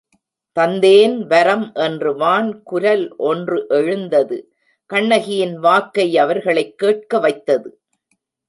தந்தேன் வரம் என்று வான்குரல் ஒன்று எழுந்தது கண்ணகியின் வாக்கை அவர்களைக் கேட்க வைத்தது.